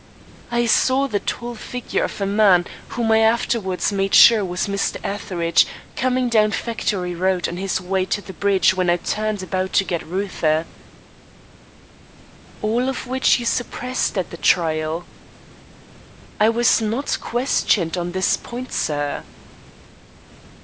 "I saw the tall figure of a man, whom I afterwards made sure was Mr. Etheridge, coming down Factory Road on his way to the bridge when I turned about to get Reuther." "All of which you suppressed at the trial." "I was not questioned on this point, sir."